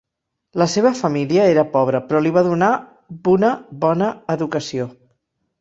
La seva família era pobra però li va donar buna bona educació.